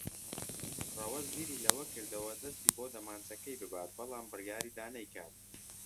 ڕەوەز بیری لەوە کردەوە دەستی بۆ دەمانچەکەی ببات، بەڵام بڕیاری دا نەیکات.